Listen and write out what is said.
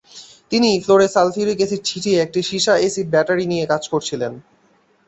তিনি ফ্লোরে sulphuric acid ছিটিয়ে একটি সীসা-অ্যাসিড ব্যাটারি নিয়ে কাজ করছিলেন।